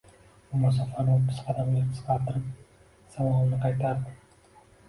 U masofani o‘ttiz qadamga qisqartirib, savolini qaytardi.